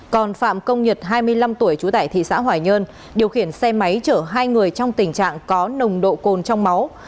còn phạm công nhật hai mươi năm tuổi trú tại thị xã hoài nhơn điều khiển xe máy chở hai người trong tình trạng có nồng độ cồn trong máu